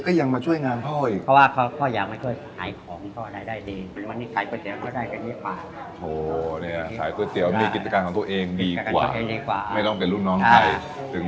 ขายจนมันจะเชื้อที่จนมันจะยกบ้านเอง